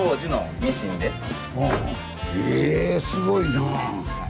えすごいな！